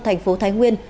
thành phố thái nguyên